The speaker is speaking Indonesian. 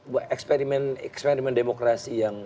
buat eksperimen eksperimen demokrasi yang